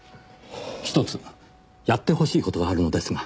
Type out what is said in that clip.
１つやってほしい事があるのですが。